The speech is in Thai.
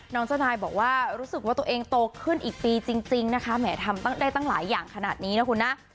เจ้านายบอกว่ารู้สึกว่าตัวเองโตขึ้นอีกปีจริงนะคะแหมทำได้ตั้งหลายอย่างขนาดนี้นะคุณนะ